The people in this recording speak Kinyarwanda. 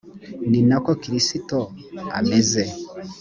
ni na ko kristo ameze